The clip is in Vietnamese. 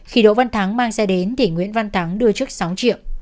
khi đỗ văn thắng mang xe đến thì nguyễn văn thắng đưa trước sáu triệu